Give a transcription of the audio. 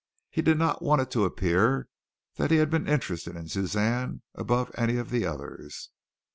He did not want it to appear that he had been interested in Suzanne above any of the others.